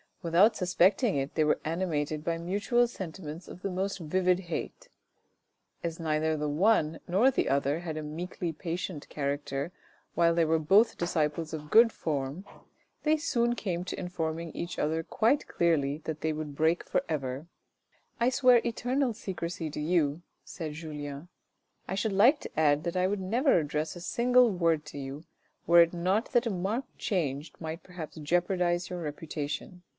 Without suspecting it, they were animated by mutual sentiments of the most vivid hate. As neither the 23 354 THE RED AND THE BLACK one nor the other had a meekly patient character, while they were both disciples of good form, they soon came to informing each other quite clearly that they would break for ever. " I swear eternal secrecy to you," said Julien. " I should like to add that I would never address a single word to you, were it not that a marked change might perhaps jeopardise your reputation."